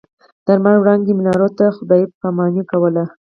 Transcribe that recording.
د لمر وړانګې منارو ته خداې پا ماني کوله.